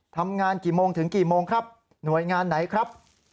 ทำงานกี่โมงถึงกี่โมงครับหน่วยงานไหนครับ